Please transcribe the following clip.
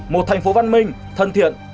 một thành phố văn minh thân thiện